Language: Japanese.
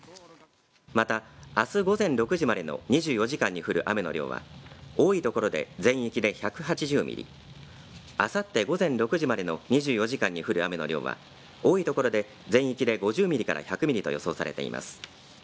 またあす午前６時までの２４時間に降る雨の量は多い所で全域で１８０ミリ、あさって午前６時までの２４時間に降る雨の量は多いところで全域で５０ミリから１００ミリと予想されています。